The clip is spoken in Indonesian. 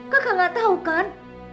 kakak tidak tahu kan